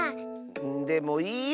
でもいいよ